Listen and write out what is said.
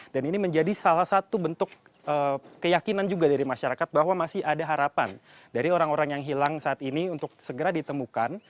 dan ini menjadi salah satu bentuk keyakinan juga dari masyarakat bahwa masih ada harapan dari orang orang yang hilang saat ini untuk segera ditemukan